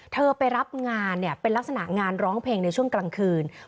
ไปรับงานเนี่ยเป็นลักษณะงานร้องเพลงในช่วงกลางคืน